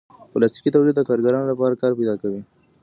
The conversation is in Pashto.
پلاستيکي تولید د کارګرانو لپاره کار پیدا کوي.